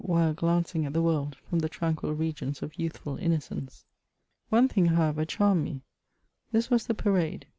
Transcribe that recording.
93 did I feel ^Mle glancing at the world from the tranquil regions of youthM innocence. One thing, however, charmed me ; this was the parade.